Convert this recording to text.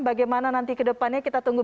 bagaimana nanti kedepannya kita tunggu